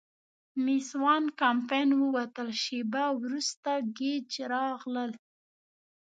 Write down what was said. مېس وان کمپن ووتل، شیبه وروسته ګېج راغلل.